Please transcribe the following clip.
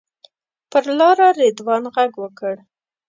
پر لاره رضوان غږ وکړ.